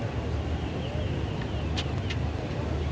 asal sekolah sma negeri dua puluh enam